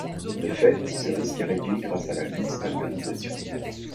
De fait, ce risque est réduit grâce à la nixtamalisation.